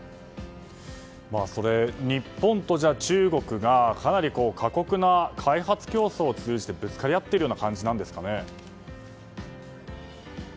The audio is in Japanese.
日本と中国が過酷な開発競争を通じてぶつかり合っているような感じなんですかね？